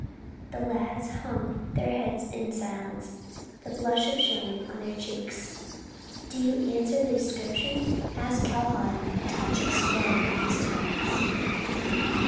The lads hung their heads in silence, the blush of shame on their cheeks. "Do you answer the description?" asked Calhoun, a touch of scorn in his tones.